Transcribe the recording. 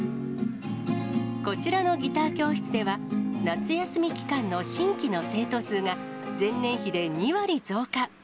こちらのギター教室では、夏休み期間の新規の生徒数が、前年比で２割増加。